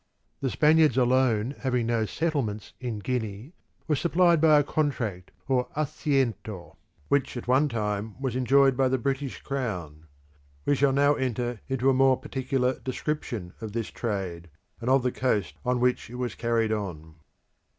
The Spaniards alone having no settlements in Guinea, were supplied by a contract or assiento; which at one time was enjoyed by the British Crown. We shall now enter into a more particular description of this trade, and of the coast on which it was carried on.